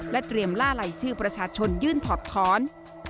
เตรียมล่าไหล่ชื่อประชาชนยื่นถอดท้อน